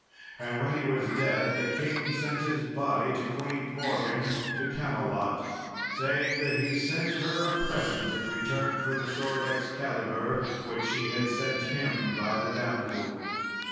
And when he was dead, the king sent his body to Queen Morgan, to Camelot, saying that he sent her a present in return for the sword Excalibur which she had sent him by the damsel.